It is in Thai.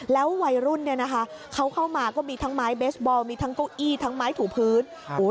แล้ววัยรุ่นเนี่ยนะคะเขาเข้ามาก็มีทั้งไม้เบสบอลมีทั้งเก้าอี้ทั้งไม้ถูพื้น